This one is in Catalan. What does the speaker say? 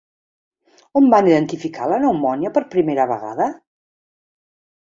On van identificar la pneumònia per primera vegada?